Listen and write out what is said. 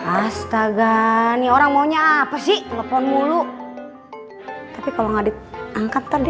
astaga nih orang maunya apa sih telepon mulu tapi kalau nggak diangkat tadi